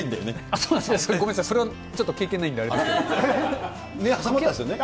そうなんですか、ごめんなさい、それは経験ないんで、ね、挟まったんですよね。